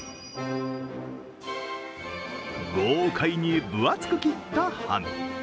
豪快に分厚く切ったハム。